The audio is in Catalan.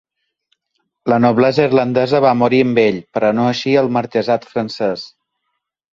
La noblesa irlandesa va morir amb ell, però no així el marquesat francès.